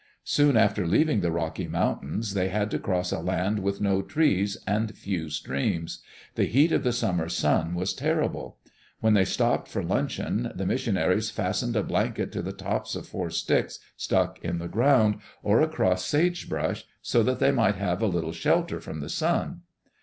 Soon after leaving the Rocky Mountains they had to cross a land with no trees, and few streams. The heat of the summer sun was terrible. When they stopped for luncheon, the missionaries fastened a blanket to the tops of four sticks stuck in the ground, or across sage brush, so that they might have a little shelter from the sun.